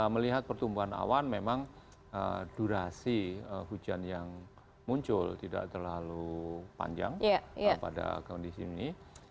melihat pertumbuhan awan memang durasi hujan yang muncul tidak terlalu panjang pada kondisi ini